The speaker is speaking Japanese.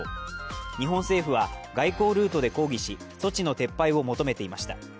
日本政府は、外交ルートで抗議し措置の撤廃を求めていました。